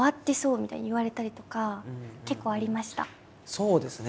そうですね